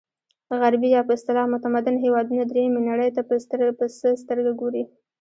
غربي یا په اصطلاح متمدن هېوادونه درېیمې نړۍ ته په څه سترګه ګوري.